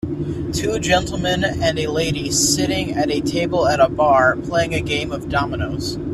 Two gentlemen and a lady sitting at a table at a bar playing a game of dominoes.